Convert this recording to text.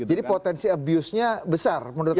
jadi potensi abuse nya besar menurut anda